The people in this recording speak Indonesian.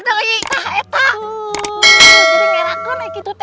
jadi menyerahkan itu